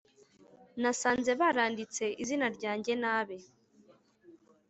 nasanze baranditse izina ryanjye nabi